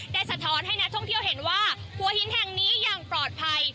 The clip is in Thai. สะท้อนให้นักท่องเที่ยวเห็นว่าหัวหินแห่งนี้ยังปลอดภัย